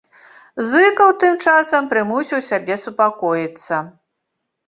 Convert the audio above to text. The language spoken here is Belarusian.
Зыкаў тым часам прымусіў сябе супакоіцца.